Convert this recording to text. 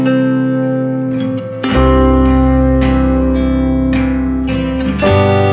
kalau mas al aja ilham ya